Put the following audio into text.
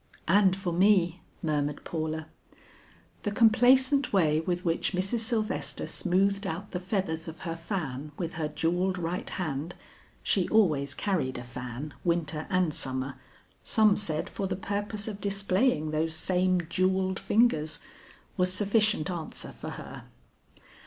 "And for me," murmured Paula. The complacent way with which Mrs. Sylvester smoothed out the feathers of her fan with her jewelled right hand, she always carried a fan winter and summer, some said for the purpose of displaying those same jewelled fingers was sufficient answer for her.